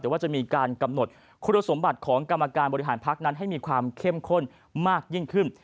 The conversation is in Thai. แต่ว่าจะมีการกำหนดคุณสมบัติของกรรมการบริหารพักนั้นให้มีความเข้มข้นมากยิ่งขึ้น